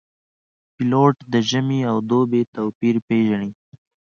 پیلوټ د ژمي او دوبي توپیر پېژني.